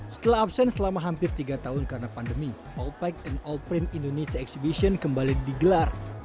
setelah absen selama hampir tiga tahun karena pandemi all packed and all print indonesia exhibition kembali digelar